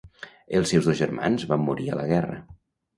Els seus dos germans van morir a la guerra.